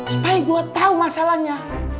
supaya gue tau masalahnya